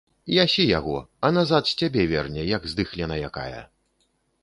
Ясі яго, а назад з цябе верне, як здыхліна якая.